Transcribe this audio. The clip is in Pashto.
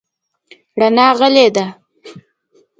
رڼا غلې ده .